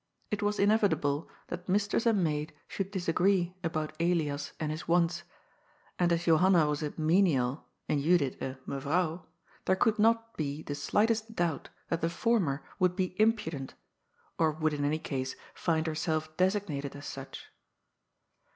It was inevitable that mistress and maid should disagree about Elias and his wants, and, as Johanna was a '^ menial," and Judith a '^ Mevrouw," there could not be the slightest doubt that the former would be *' impu dent " or would in any case, find herself designated as such.